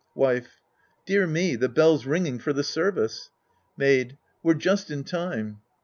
Wife. Dear me, the bell's ringing for the service. Maid. We're just in time.